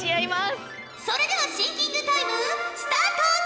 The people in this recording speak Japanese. それではシンキングタイムスタート！